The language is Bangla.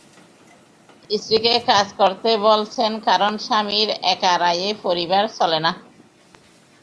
স্ত্রীকে কাজ করতে বলছেন কারণ স্বামীর একার আয়ে পরিবার চলে না।